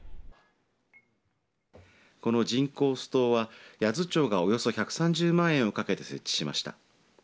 この人工巣塔は八頭町がおよそ１３０万円をかけて設置しました。